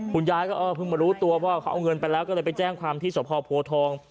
คุณยายก็เออเพิ่งมารู้ตัวว่าเขาเอาเงินไปแล้วก็เลยไปแจ้งความที่สพโพทอง